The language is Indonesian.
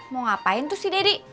mau ngapain tuh si daddy